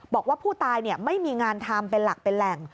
บอกว่าผู้ตายไม่มีงานทำเป็นหลักเป็นแหล่ง